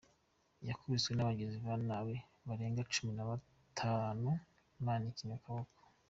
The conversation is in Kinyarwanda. Yakubiswe n’abagizi ba nabi barenga Cumi Nabatanu Imana ikinga akaboko